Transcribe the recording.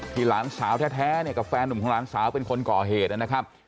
หลานสาวแท้เนี่ยกับแฟนหนุ่มของหลานสาวเป็นคนก่อเหตุนะครับ